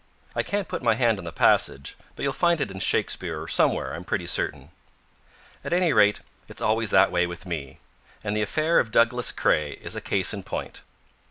I can't put my hand on the passage, but you'll find it in Shakespeare or somewhere, I'm pretty certain. At any rate, it's always that way with me. And the affair of Douglas Craye is a case in point.